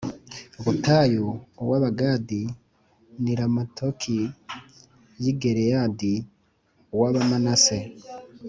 butayu uw Abagadi ni Ramotik y i Gileyadi uw Abamanase